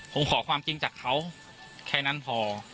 ผมขอความจริงจากเขาแค่นั้นพอ